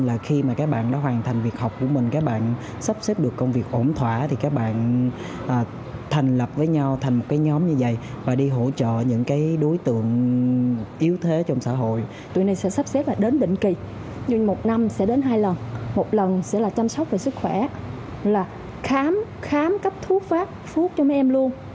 là khám khám cấp thuốc phát phuốc cho mấy em luôn